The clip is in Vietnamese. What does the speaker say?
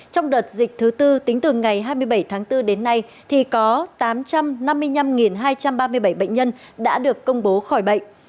trong đợt dịch thứ tư tính từ ngày hai mươi bảy tháng bốn đến nay thì có tám trăm năm mươi năm hai trăm ba mươi bảy bệnh nhân đã được công bố khỏi bệnh